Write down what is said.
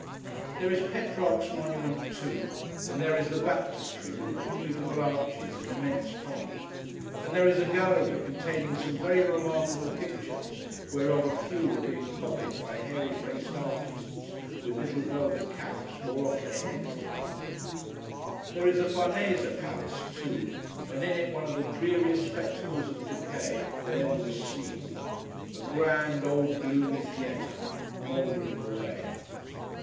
There is Petrarch's Monument, too; and there is the Baptistery, with its beautiful arches and immense font; and there is a gallery containing some very remarkable pictures, whereof a few were being copied by hairy faced artists, with little velvet caps more off their heads than on. There is the Farnese Palace, too; and in it one of the dreariest spectacles of decay that ever was seen—a grand, old, gloomy theatre, mouldering away.